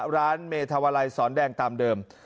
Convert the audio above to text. ร้านเมธาวาลัยสอนแดงตามเดิม